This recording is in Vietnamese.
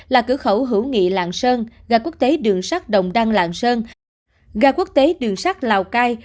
là cửa khẩu hữu nghị lạng sơn ga quốc tế đường sắt đồng đăng lạng sơn ga quốc tế đường sắt lào cai